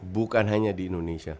bukan hanya di indonesia